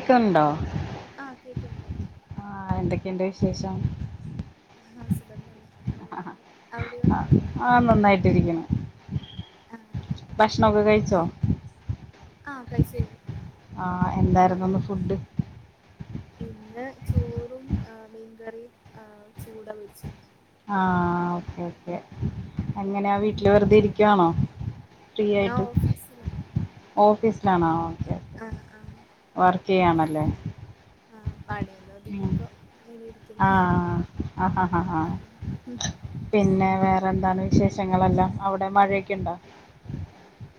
ക്കണ്ടോ ആഹ് കേക്ക്ണ്ട് ആയെന്തെ- ക്കെണ്ട് വിശേഷം- ആഹ സുഖം തന്നെ അങനെ പോന്നു അവിടെയോ? ആഹ് ഭക്ഷണംമക്കെ കഴിച്ചോ? ആഹ് കഴിച്ചിരുന്നു ആ എന്തായിരുന്നു ആഹ് ഇന്ന് ഫുഡ്- ഇന്ന് ചോറും ആ മീൻകറിയും ആ ചൂടാപൊരിച്ചതും- ആഹ് ഓക്കെ ഓക്കെ- എങ്ങനാ വീട്ടില് വെറുതെ ഇരിക്കുവാണോ? ഫ്രീ ഞാ ആയിട്ട് ഓഫീസില്- ഓഫീസിലാണോ? വർക്ക് ഒന്ന് ചെയ്യാണല്ലേ? ആഹ് പണിയൊന്ന് ഒതുങ്ങിയപ്പോ ഇങ്ങനെ ഇരിക്കുന്നു ആഹ ആഹാ ആഹ് ഉം ഉം. പിന്നെ വേറെന്താണ് വിശേഷങ്ങളെക്കേ അവിടെ മഴ [unintelligible] ക്കിണ്ട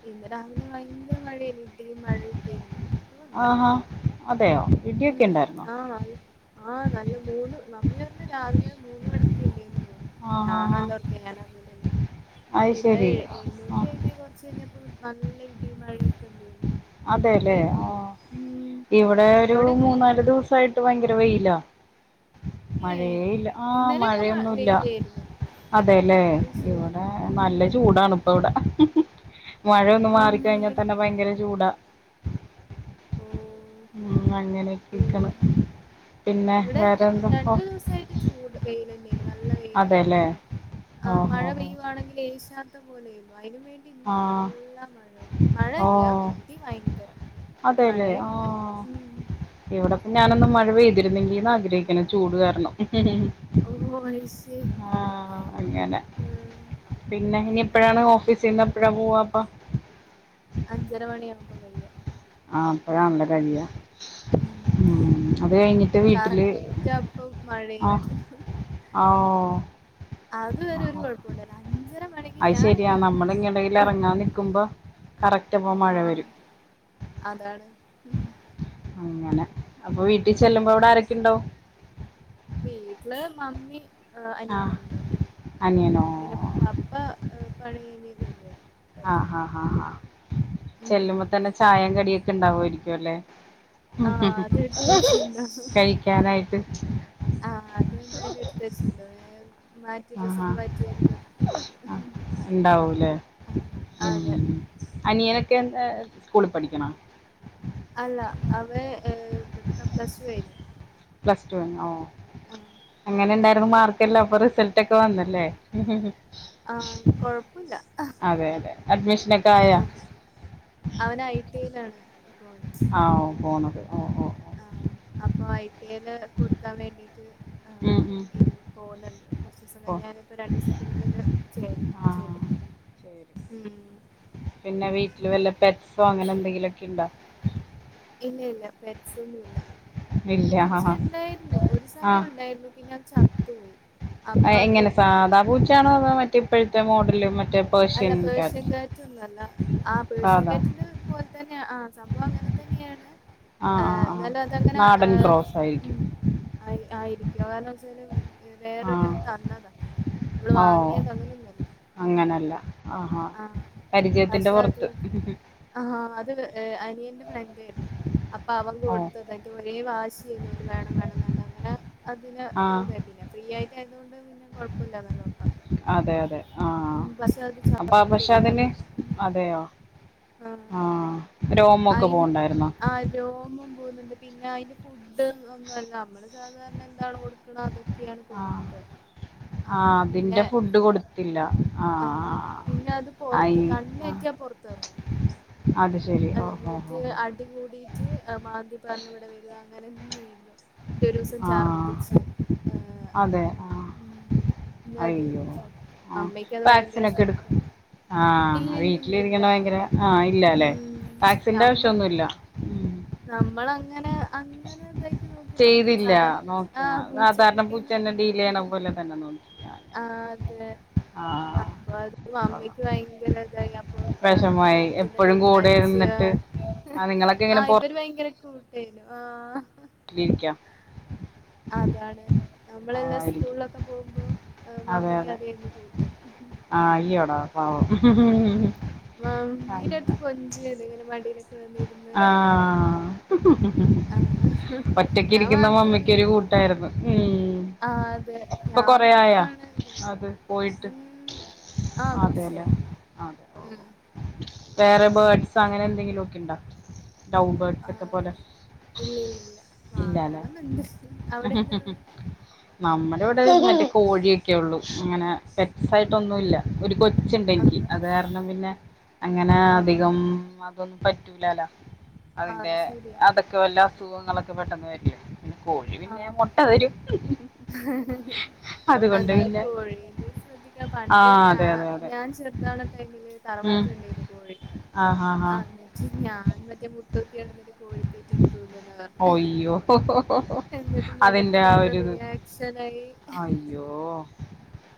ഇന്ന് രാവിലെ ഭയങ്കര മഴയായിരുന്നു ഇടിയും മഴയൊക്കെ ആയിരുന്നു. ആഹഹാ അതെയോ ഇഡിയൊക്കെ ഉണ്ടായിന്നോ ആഹ നല്ല മൂന്ന് നമ്മി വന്ന് രാവിലെ മൂന്ന് മണിക്ക്ണ്ടേന്ന് ആ ഹാ ഹാ ഞനാല്ല ഉർക്ക ഞാൻറിങ്ങിട്ടൊന്നുമ അത് പിന്നെ ശരി എഴുന്നേറ്റ് ആ കഴിഞ്ഞ കുറച്ച് കഴിഞ്ഞ നല്ല ഇടി മഴയൊക്കെ ഉണ്ടായിരുന്നു. അതെല്ലേ നിക്കാനേ തോന്നില്ല ഉ രൂ മൂന്നാല് ദിവസട്ട് ഭയങ്കര വെയ് ല്ല ഏ മഴയേയില്ല ആഹ ഇന്നലെയൊക്കെ മ മഴയൊന്നുംല്ല വെയിലായിരുന്നു അതെല്ലേ അത് ശരി ഇവിടെ നല്ല ഉം ചൂടണ ഇപ്പ ഇവിടെ ഉ മഴയൊന്നു ആണല്ലേ മാറിക്കഴിഞ്ഞാൽ തന്നെ ഭയങ്കര ചൂടാ ഓ ഉം അ [unintelligible] ഏ. ക്കണം ഇവിടെ രണ്ടു ദിവസായിട്ട് ചൂട് വെയ്ലന്നെ നല്ല വെയിലൊക്കെ അതെല്ലേ ഉണ്ടേരുന്നു ആ ഓഹ് മഴ ഓഹ് പെയ്യുവാണെങ്കിൽ ഏശാ [unintelligible] അയിനും വേണ്ടി ഇന്ന് ആഹ് നല്ല മഴ മഴയില്ല ഓഹ് ഇടി ഭയങ്കരം അതെല്ലേ മഴയുണ്ട് ഉംമ് ഞാനൊന്നു മഴ പെയ്തിരുന്നെങ്കി ന്നാഗ്രഹിക്കാണ് ചൂട് കാരണം ഓഹോ ഐ സീ ആഹ്അ അങ്ങനെ പിന്നെ ഇനി എപ്പഴാണ് ആഹ് ഓഫീസീന്നെപ്പഴ പോവാപ്പ പ്പൊ വയ്യ അഹ് അപ്പഴാണല്ലേ കഴിയ ഉം മ് അത് കഴിഞ്ഞിട്ട് വീട്ടില് കറക്റ്റ് അപ്പം ആഹ് മഴയായിരിക്കും ഓ ഓഹ് അത് വരെ ഒരു കുഴപ്പൊണ്ടവുല്ല അഞ്ചരമണി അയ് ശരിയാ നമ്മള് എങ്ങനേലും ഇറങ്ങാൻ നിക്കുമ്പോ കറക്റ്റ് അപ്പൊ മഴ ആഹ് വരും അതാണ് അങ്ങനെ അപ്പൊ വീട്ടിൽ ചെല്ലുമ്പോ ആഹ് അവിടെ ആരൊക്കെ ഉണ്ടാവും വീട്ടില് മമ്മി ആഹ് ആ അനിയനും ഉണ്ടാവും അനിയനോ ആഹ് പിന്നെ പപ്പ പണി കഴിഞ്ഞ് വരുവായി അഹ് ഹ ഹാ ഹ ഉം ചെല്ലുമ്പോ തന്നെ ചായേം കടി ക്ക്ണ്ടാവുവായിരിക്കുവല്ലേ ഉം ആഹ് ഹുംഹു അതെടുത്ത് കഴിക്കാനായിട്ട് [inaudible] അഹ് അതെന്തായാലും എടുത്ത് വെച്ചിട്ടുണ്ടാവും എഹ് മാറ്റി ആ ഹാ ഡ്രസ്സൊക്കെ മാറ്റി വരുമ്പോ ആ കുടിക്കും ഉണ്ടാവൂല്ലേ ആഹ് അതെ ക്കെ എന്താ സ്കൂളിൽ പഠിക്ക്ണൊ അല്ല അവൻ ഏഹ് പ്ലസ് ടു കഴിഞ്ഞു പ്ലസ് ടു ഴിഞ്ഞോ ഓ ആ എങ്ങനെണ്ടാ മാർക്കെല്ലാം അപ്പൊ റിസൾട്ടൊക്കെ വന്നല്ലേ മ് മ്മ് ആ കൊഴപ്പൊല്ല അഡ്മിഷ് അ അവൻ ഐ ടി യിലാണ് അ ഒ പോണം അ അപ്പൊ [unintelligible] കൊടുക്കാൻ വേണ്ടിട്ട് അഹ് ഉം ഉം ഈ പോന്നുണ്ട് കുറച്ച ദിവസം ഓ കഴിഞ്ഞാന ഇപ്പ രണ്ടു ദിവസത്തിനുള്ളില് ആ ചെയ ശരി [unintelligible] ഉം പിന്നെ വീട്ടില് വല്ല പെറ്റ്സോ അങ്ങനെ എന്തെങ്കിലുമൊക്കെ ഇണ്ടോ? ഇല്ല ഇല്ല പെറ്റ്സ്ഒന്നും ഇല്ല ഇല്ല ആ പൂച്ച ഇണ്ടായിരുന്നു ഒരു ആ സമയം ഉണ്ടായിരുന്നു പിന്നെ അത് ചത്തുപോയി അപ്പൊ അത് ഇപ്പഴത്തെ മോഡല് മ അല്ല പേഴഷ്യൻ കേറ്റ് ഒന്നല്ല ആ സാധാ പേഴ്ഷ്യൻകറ്റിന്റെ പോലെ തന്നെയ ആ സംഭവം അങ്ങനെ തന്നെയാണ് ആ നല്ല അതങ്ങനെ ആ നാടൻ ക്രോസ് ഉ ആയിരിക്കും ആയിരി കാരണ വെച്ചാല് [unintelligible] ആ വേറൊരാള്തന്നതാ നമ്മള് ഓ വാങ്ങിയത് അങ്ങനെന്നുമല്ല ആഹാ പരിചയത്തിന്റെ പുറത്ത് ആ അത് അനിയന്റെ ഫ്രണ്ട് അപ്പൊ അവൻ ഓ കൊടുത്തതാ ഒരേ വാശ ചെയ്യ വേണം വേണന്ന് എന്താ അങ്ങനെ അതിന് ആ ഇതെ പിന്നെ ഫ്രീ ആയി യതുകൊണ്ട് പിന്നെ കൊയപ്പമില്ലാ ലോ അതെ അതെ ആ അത് അപ്പൊ പക്ഷെ ചത്തുപോയി അത് അതിന് ഉം അതെയോ ആഹ് ആഹ രോമക്കെ അയി പോവണ്ടായിരുന്നോ? ആഹ് രോമം പോകുന്നുണ്ട് പിന്നെ അതിന്റെ ഫുഡ് ഒന്നുംല്ല നമ്മള് സാധാരണ എന്താണ് കൊടുക്കണ അത് ആ ആ അതിന്റെ ഫുഡ് കൊടുത്തില്ല ആ ആ പിന്നെ അത് പൊറത്ത് ആഹ് കണ്ണെറ്റിയപൊറതെർങ്ങും അത് ശരി ഓഹോ ഹോ അട്ട് ഹോ അടി കൂടിട്ട് മാന്തി പറഞ്ഞ ഇവടെ വരുവാണ് അങ്ങനന്നെയല്ല [unintelligible] ഒരു ദിവസം ആഹ് ഛർദിച്ച് ഏ അതെ അങ്ങനെ ആഹ് ഉ പിന്നെ അത് അയ്യോ ആഹ് അമ്മക്ക് അത് ഭയങ്കര വാക്സിനൊക്കെ ഷോകായ് എടുക്കും ആഹ് ഇല്ലല്ലല്ലല്ല വീട്ടിലിരിക്കണ ഭയങ്കര ആഹ് ഉ ഇല്ലല്ലേ വാക്സിന്റെ ആവശ്യ ഒന്നുഇല്ല നമ്മ [unintelligible] അങ്ങനെ അങ്ങനെ ചെയ്തില്ല നോക്കിയ സാധാരണ നമ്മളിപ്പോസാധാരആപൂച്ചക്കുട്ടിആ പൂച്ചേനെ ഡീൽ ചെയ്യണ പോലെ തന്നെ നോക്കി അതെ ആഹ് അപ്പൊ അത് അമ്മയ്ക്ക് ഭയങ്കര ഇതായി അപ്പൊ വിഷമായി പിന്നെ എപ്പോഴും കൂടെ തീരുമാനിച്ച ഇരുന്നിട്ട് ആ നിങ്ങളൊക്കെ ആ ഇങ്ങനെ ഇവര് ഭയങ്കര കൂട്ടേയിനു ആഹ് [unintelligible] അതാണ് നമ്മളെല്ലാം ആയിരിക്കും സ്കൂളിലൊക്കെ പോവുംമ്പോ ഏഹ് അതെ മമ്മിക്ക് അതെ അതേര്ന്നു കൂട്ട് ആ അയ്യോടാ പാവം മ് ആം [unintelligible] കൊഞ്ചുയെനു ഇങ്ങനെ മടിലൊ വന്നീര്ന്ന് ആഹ് ആഹ് ഒറ്റക്ക് ഞാൻ ഇരിക്കുന്ന മാത്രള്ളു മമ്മിക്കൊരു കൂട്ടായിരുന്നു ഉം ആഹ് അതെ ഇപ്പൊ കൊറേ ആയാ ഞാമാത്രാണ് അത് പോയിട്ട് മ് ആ അതെല്ലേ കൊറച്ചായി അതെ മ് വേറെ ബേർഡ്സ് അങ്ങനെ എന്തെങ്കിലും [unintelligible] ബേർഡ്സ് ഒക്കെ ആഹ് പോലെ ഇല്ലല്ല ല്ല ഇല്ലാല്ലേ വാങ്ങണന്ന്ണ്ട് അവടെന്താള്ളേ ബടെ കോഴിയൊക്കെ ഉള്ളൂ അങ്ങനെ പെറ്റ്സായിട്ടൊന്നൂല്ല ഒരു ആഹ് കൊച്ച്ണ്ടെനിക്ക് അത് കാരണം പിന്നെ അങ്ങനെ ആഹ് അധികം അതൊന്നും പറ്റൂലാലൊ അതിന്റെ അത് ശരിയാ അതൊക്കെ വല്ല അസുഖങ്ങളൊ [unintelligible] പെട്ടെന്ന് വരില്ലേ കോഴി പിന്നെ മൊട്ട തരും അതുകൊണ്ട് എന്തായാലും പിന്നെ കോഴിനെ ശ്രദ്ധിക്കണം, ആ പണ്ട് ഞാ അതെ അതെ അതെ ഞാൻ ചെറുതാണ് ടൈമില് ഉം തറവാട്ടിൽ ഉണ്ടായിരുന്നു കോഴി ആ ഹാ ഹാ ആഹ്. ഞാൻ മറ്റേ മുട്ട നോക്കി നടന്ന് കോഴി തീറ്റ എടുത്ത് തിന്നുയെന്നാ പറഞ്ഞേ, ഒയ്യോ എന്നിട്ട് മുഖത്ത് അതിന്റെ ആ മൊത്തം ഒരിത് റിയാക്ട്. [unintelligible] അയ്യോ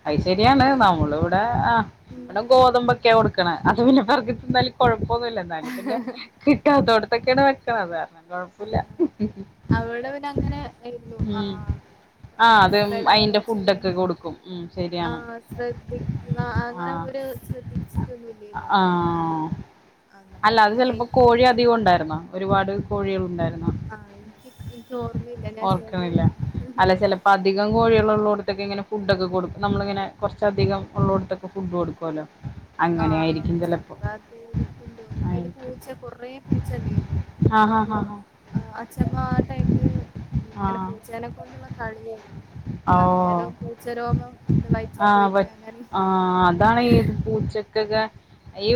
അത് ശരിയാണ്, അങ്ങനെ നമ്മൾ ഇവിടെ ആഹ് ഉം ഇവിടെ ഗോതമ്പ് ഒക്കെയാ കൊടുക്കേണ് അത് പിന്നെ പറഞ്ഞിട്ട്. എന്തായാലും കൊള്ളാം. പോന്നില്ല എന്നാലും പിന്നെ കിട്ടാത്തെടുത്ത്. ഇതൊക്കെയാണ് വെക്കണത്. ആ കൊഴപ്പമില്ല അവിടെ പിന്നെ അങ്ങനെ ആയിരുന്നു ആ ഉം ആ അതും. പപ്പയുടെ അതിന്റെ അമ്മേച്ചനും ഫുഡൊക്കെ കൊടുക്കും, ഉം ആ ശരിയാണ് ശ്രദ്ധിക്കുന്ന അങ്ങനെ ആഹ് ഒരു ശ്രദ്ധിച്ചിട്ടൊന്നുമില്ലേന്നു അപ്പം ആ ആഹ് അന്നപ്പോ അല്ല അത് അങ്ങനെയായി ചെലപ്പോ കോഴി അധികം ഉണ്ടായിരുന്നോ ഒരുപാട്. കോഴികൾ ഉണ്ട്. ആഹ് എനിക്ക് എനിക്ക് ഓർമ്മയില്ല ഞാൻ ചെറിയ കുട്ടിയായിരുന്നു. കോഴീയോൾ ഉള്ളോടത്തൊക്കെ ഇങ്ങെനെ ഫുഡോക്കെ കൊടുക്ക നമ്മളിങ്ങനെ കുറച്ചധികം ഉള്ളോടത്തൊക്ക ഫുഡ് കൊടുക്കുല്ലോ ആഹ ചെലപ്പോ അത് ഇക്കെ തോന്നുന്നു പിന്നെ ആയിരിക്കും പൂച്ച കൊറേ പൂച്ച ണ്ടായിരുന്നു ആ ഹാ അപ്പൊ ഹാ ഹാ അച്ചമ്മ ആ ടൈമില് ഇങ്ങനെ ആഹ് പൂച്ചേനെ കൊണ്ടുള്ള കളിയായിരുന്നു ഓ അന്നേരം പൂച്ച രോമം എന്റെ വയറ്റിൽ ആഹ് പോയിറ്റ് പ അങ്ങനേം ആഹ് അതാണ് ഈ [unintelligible] ഈ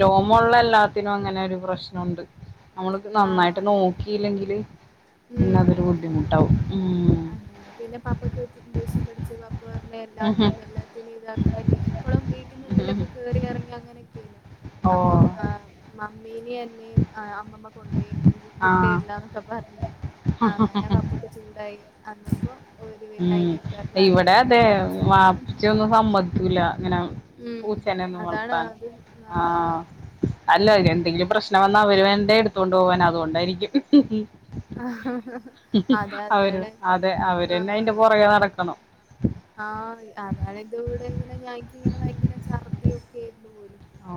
രോമള്ളല്ലാത്ത ത്തിനും അങ്ങനെ ഒരു പ്രശ്നമുണ്ട് നമ്മള് ആഹ് നന്നായിട്ട് അതാണ് നോക്കിയില്ലെങ്കില് പിന്നെ അതൊരു ബുദ്ധിമുട്ടാവും ഉം ആഹ പിന്നെ പ [unintelligible] [unintelligible] ഉം ഉം ഓ അമ്മ കൊണ്ടുപോയി ഇനി ആഹ് വിട്ടരില്ലന്നൊക്കെ പറഞ് ആ അങ്ങനെ പപ്പൊക്കെ ചൂടായി അന്നപ്പോ ഓര് പിന്നെ ഉം അയിനൊക്കെ വേ ഇവിടെ അതെ വേണ്ട വാപ്പിച്ചൊന്നും സമ്മതിക്കൂല്ല ഇങ്ങനെ ഉം പൂച്ചേനെ ഒന്നും അതാണ് വളർത്താൻ അത് ആ നല്ലതാ അല്ല എന്തെങ്കിലും പ്രശ്നം വന്ന അവര് വേണ്ടെ എ തോണ്ടു പോവാൻ അതുകൊണ്ടായിരിക്കും അതെ അവര് അതാണ് അതെ അവര് [unintelligible] അയിന്റെ ആഹ് പുറകെ നടക്കണം ആഹ് അതാണ് [unintelligible] ഭയങ്കര ഛർദ്ദിയൊക്കെ ആയി ഓ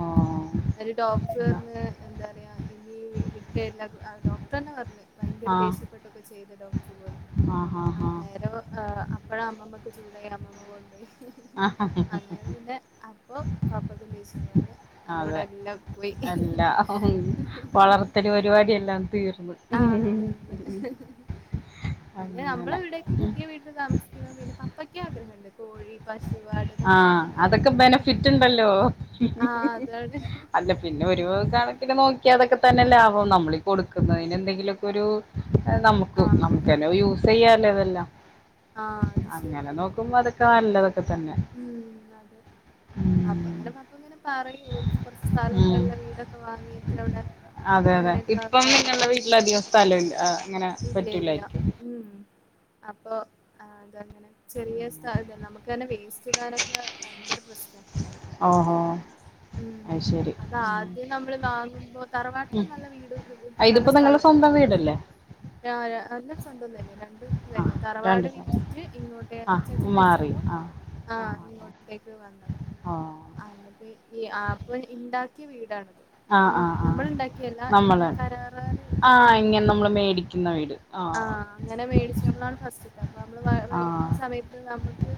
അയിൽ ഡോക്ടർ പറഞ്ഞ് എന്താ പറയാ ഇനി വിട്ടരില്ല ഡോക്ടർന്നെ പറഞ്ഞ് ഭയങ്കര ആഹ് ദേഷ്യപ്പെട്ടൊക്കെ ചെയ്ത് ഡോക്ടർ. ആഹ് ആഹ് അപ്പോഴാ അമ്മമ്മക്ക് അങ്ങനെ അമ്മമ്മ കൊണ്ടോയി ആഹ് അങ്ങനെ പിന്നെ അപ്പൊ പപ്പായ്ക്ക് ദേശ്യം വന്ന് അതോടെ അതെ എല്ലാം പോയി എല്ലാ ഹ ഹ ഹ വളർത്തല് പരിപാടി എല്ലാം തീർന്ന് ആ അതെ പിന്നെ നമ്മൾ അങ്ങനെ ഇവിടെക്കെ പുതിയ വീട്ടിൽ താമസിക്കുമ്പോ പിന്നെ പപ്പക്ക [unintelligible] കോഴി പശു ആട് ഇതൊക്കെ ആഹ പപ്പയ്ക്ക് അതൊക്കെ വേണന്നുണ്ട് ബെനഫിറ്റ് ഉണ്ടല്ലോ ആഹ് അതാണ് അല്ല പിന്നെ ഒരു കണക്കിന് നോക്കിയ അതൊക്കെ തന്നെ ലാഭം നമ്മള കൊടുക്കുന്നതിന് എന്തെങ്കിലുമൊക്കെ ഒരു നമുക്ക് ആഹ് അതാണ് നമുക്കെല്ലാം യൂസ് ചെയ്യല്ലോ ഇതെല്ലാം ആഹ് അത് അങ്ങനെ ശരിയാ നോക്കുമ്പോ അതൊക്കെ [unintelligible] ഉം അതെ ഉം അപ്പങ്ങനെ പപ്പങ്ങനെ പറയൂ കൊറച്ച സ്ഥലമൊക്കെ ഉം ഉള്ള വീടൊക്കെ വാങ്ങിട്ട് അവിടെ അതെ അതെ അങ്ങനെയൊക്കെ ഇപ്പം ആക്കാന് നിങ്ങളുടെ വീട്ടിൽ അധികം സ്ഥലമില്ല ആ, അങ്ങനെ ഇല്ല ഇല്ല പറ്റൂലായിരിക്കും ഉ അപ്പൊ ആ അത ചെറിയ സ്ഥലാ നമുക്കെന്നെ വേസ്റ്റ് ഈടാനൊക്കെ ഭയങ്കര [unintelligible] ഓഹോ ഉം അത് ശരി അതാദ്യം നമ്മൾ വാങ്ങുമ്പോ തറവാട്ടില് ഉം. നല്ല വീട് ആ, നല്ല ഇതിപ്പോ നിങ്ങളുടെ സ്ഥലൊക്കെ സ്വന്തം ഉണ്ട് വീടല്ലേ സ്വന്തം തന്നെ രണ്ടു ആ രണ്ട് തറവാട് സ്ഥലം വിറ്റിട്ട് ഇങ്ങോട്ടേക്ക് ആ അച്ചച്ചൻ മാറി മരിച്ചപ്പോ ആ ആ ഇങ്ങോട്ടേക്ക് വന്നത് ആ. ആ എന്നിട്ട് ഈ ആ അപ്പൊ ഇണ്ടാക്കിയ വീടാണ് ആ ആ ആ നമ്മൾ ഇണ്ടാക്കിയല്ല ഇ നമ്മള് കരാറി ആ ഇങ്ങനെ ഇണ്ടാക്കിട്ടുള്ളോ നമ്മൾ മേടിക്കുന്ന വീട് ആ അങ്ങനെ മേടിച്ച് നമ്മള ഫസ്റ്റ് അപ്പൊ നമ്മള് ആ മേടിക്കുന്ന സമയത്ത് നമ്മുക്ക്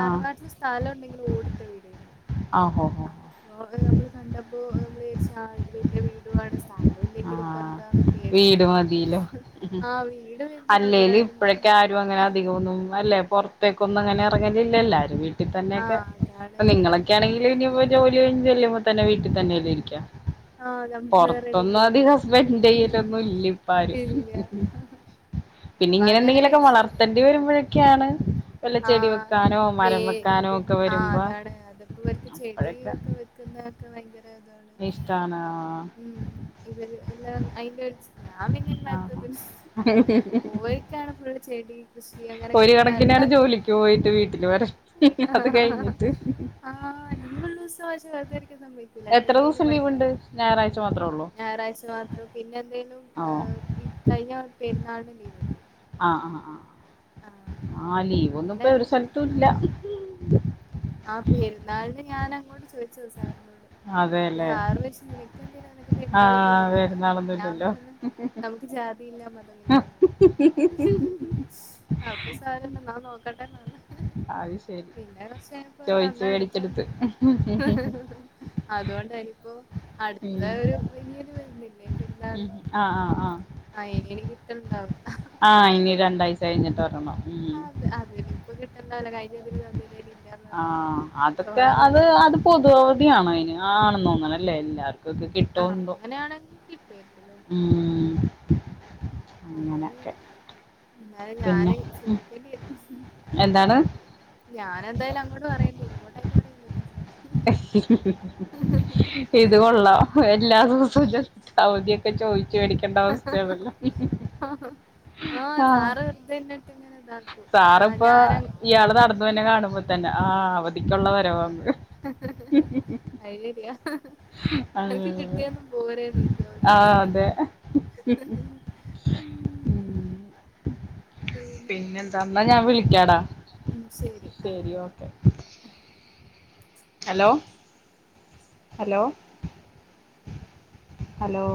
ആ സ്ഥലം ഉണ്ടെങ്കിൽ ഓടിട്ട വീടാരുന്നു ആ ഹോ ഹോ ഹോ. അപ്പൊ നമ്മള് കണ്ടപ്പോ നമ്മള് വിചാരിച്ചു ആഹ് വല്ല്യ വീടും ആണ് സ്ഥലം ആ ഇല്ലെങ്കിലിപ്പോ എന്താന്നൊക്കെ വിചാരിച്ചു. വീട് മതിയല്ലോ ഉം. ആഹ് വീട് വലുതാണ് അല്ലേല് ഇപ്പോഴൊക്കെ [unintelligible] ത്തേക്കൊന്നും അങ്ങനെ ഇറങ്ങലില്ലല്ലോ ആരും വീ ആ ട്ടിത്തന്നൊക്കെ അതാണ് ഇപ്പൊ നിങ്ങളൊക്കെയാണെങ്കില് ഇനിപ്പോ ജോലി കഴിഞ്ഞു ചെല്ലുമ്പോ തന്നെ വീ ട്ടി തന്നെയല്ലെ ഇരിക്കാ ആഹ് ഞ വേറെ ഒന്നാമതീ ഹസ്ബന്റിന്റെ കയ്യിലൊന്നും ഇല്ല ഇപ്പാരും ഇല്ല പിന്നെ അപ്പ ഇങ്ങനെ അങ്ങനെ എന്തെങ്കിലുമൊക്കെ വളർത്തേണ്ടി വരുമ്പോഴൊക്കെയാണ് വല്ല ചെടി ആഹ് വെക്കാനോ വേ മരം വെക്കാനോ ഇത് ഒക്കെ ആഹ് വരുമ്പോ അതാണ് അതിപ്പോ അവർക്ക് അപ്പോഴൊക്കെ ചെടിയൊക്കെ വെക്കുന്ന [unintelligible] ഇഷ്ടാണ് [unintelligible] ഹും ഇവര് എല്ലാ [unintelligible] ഞാൻ പിന്നെ ആ [unintelligible] ഓൽക്കാണ് ഫുള്ള് ചെടി കൃഷി അങ്ങനെയൊക്കെ ഒരു ആഹ് കണക്കിനാണ് ഇള്ളത് [inaudible] [unintelligible] അത് കഴിഞ്ഞിട്ട് ആഹ് ലീവുള്ള [unintelligible] എത്ര എന്തേലും ദിവസം പണി ലീവുണ്ട് ഞായറാഴ്ച മാത്രേ ഉള്ളൂ ഞായറാഴ്ച മാത്രം പിന്നെ എന്തേലും ഓ അഹ് ഇ കഴിഞ്ഞ പെരുന്നാളിനും ലീവ് കിട്ടി ആഹ് ആഹ് ആഹ് ആഹ് ലീവൊന്നും ഇപ്പൊ അങ്ങനെ ഒരു എന്തേലൊക്കെ സ്ഥലത്തും ഇല്ല ആഹ് ആ പെരുന്നാളിന് ഞാനങ്ങോട്ട് ചോദിച്ചത് സാറിനോട് അപ്പൊ അതെല്ലേ സാറ് നിനക്ക് ആഹ് പെരുന്നാളൊന്നുമില്ലല്ലോന്ന് പെരുന്നാളൊന്നും ഞാൻ ഇല്ലല്ലോ പറഞ്ഞു നമുക്ക് ജാതിയില്ല അപ്പൊ സാർ പറഞ്ഞു നോക്കട്ടെ ന്ന് അത് ശരി പിന്നെ പ്പോ അന്ന ചോയിച്ചു മേടിച്ചെടുത്ത് അടുത്തന്നു അതുകൊണ്ടനിപ്പോൊ ഉം അടുത്ത ഒരു വലിയല് വരുന്നില്ലേ പെരുന്നാള് ഉം ആഹ് ആഹ് ആഹ് അയിനന് കിട്ടലണ്ടാവില്ല കഴിഞ്ഞിട്ട എന്ന ഇ കിട്ടണ്ടാവില്ല കഴിഞ്ഞതിന് തന്നില്ലേന് ഇല്ലാന്ന് ആ പറയും അതൊക്കെ വേറെ അത് എങ്ങനെ അത് പൊതുവവധി ആണോ അയ്ന് ആ തോങ്ങലല്ലേ എല്ലാരും ആ അങ്ങനെയാണെങ്കികിട്ടുവായിരിക്കും ല്ലേ അങ്ങനൊക്കെ അഹ്‌ ഞാാന് ചോദിക്കേണ്ടിരുന്നു എന്താണ് ഞാനെന്തായാലും അങ്ങോട്ട് പറയണ്ടേ ഇങ്ങോട്ടായിട്ട് പറയൊന്നൂല്ല അ ഇത് കൊൊള്ളാം എല്ലാ ദിവസോം ജസ്റ്റ്‌ അവധി കച്ചോയ് ചേടടിക്കേണ്ട അവസ്ഥയാണല്ലോ ആഹ് സാറ് വെറുതെ എന്നിട്ട് ഇങ്ങനെ ഇതാക്കും സാറി ആഹ് പ്പൊ ഞാന ഇയാള് അത് നടന്നു വര്നെ കാണുമ്പോ തന്നെ ആ തിക്കുള്ളവരോം അയ്ലെരിയ എനിക്ക് അങ്ങനെ കിട്ടിയന്നും ആ പോരന്നേക്കതി അതെ പിന്നെ ക്കാടാ ഉം ശരി ആ ഹലോ ഹലോ ഹലോ